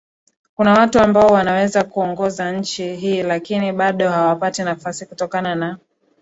kuna watu ambao wanaweza kuongoza nchi hii lakini bado hawapati nafasi kutokana na